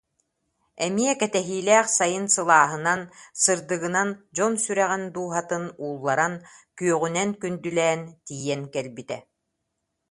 Эмиэ кэтэһиилээх сайын сылааһынан, сырдыгынан дьон сүрэҕин, дууһатын уулларан, күөҕүнэн күндүлээн тиийэн кэлбитэ